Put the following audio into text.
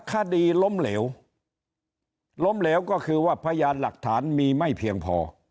คดีล้มเหลวล้มเหลวก็คือว่าพยานหลักฐานมีไม่เพียงพอ